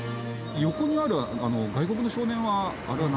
横にあるあの外国の少年はあれは？